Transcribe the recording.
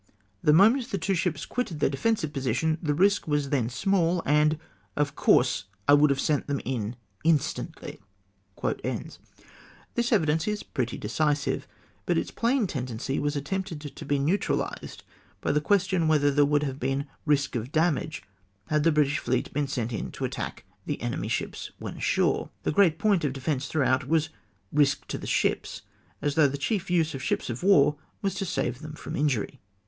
— "The moment the two ships quitted their de fensive position, the risk was then small, and OF course I WOULD HAVE SENT THEM IN INSTANTLY." This evidence is pretty decisive, but its plain ten dency was attempted to be neutralised by the question Avlietlier there would have been risk of damage, had the British fleet been sent in to attack the enemy's ships when ashore ! The great point of defence throughout was risk to the ships, as though the chief use of ships of war was to save them from injury.